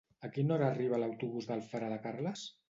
A quina hora arriba l'autobús d'Alfara de Carles?